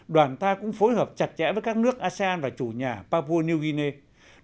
đoàn ta cũng phối hợp chặt chẽ với các nước asean và chủ nhà papua new guinea